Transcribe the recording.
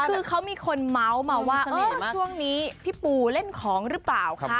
คือเขามีคนเมาส์มาว่าช่วงนี้พี่ปูเล่นของหรือเปล่าคะ